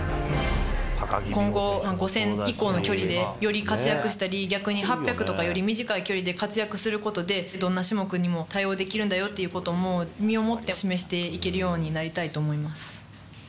今後、５０００以降の距離で、より活躍したり、逆に８００とかより短い距離で活躍することで、どんな種目にも対応できるんだよっていうことも、身をもって示していけるようになりたいと思います。